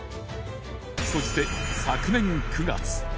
そして昨年９月